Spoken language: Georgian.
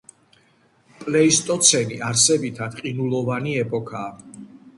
პლეისტოცენი არსებითად ყინულოვანი ეპოქაა.